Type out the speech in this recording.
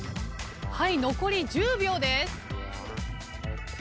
はい残り１０秒です。